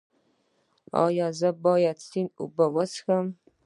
ایا زه باید د سیند اوبه وڅښم؟